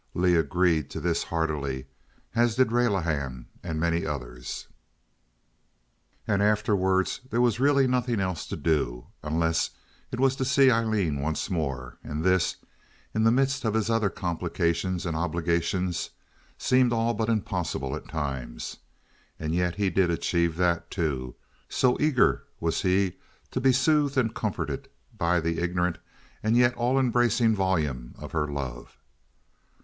Leigh agreed to this heartily, as did Relihan, and many others. And, afterwards there was really nothing else to do, unless it was to see Aileen once more, and this, in the midst of his other complications and obligations, seemed all but impossible at times—and yet he did achieve that, too—so eager was he to be soothed and comforted by the ignorant and yet all embracing volume of her love.